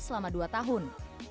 selama dua tahun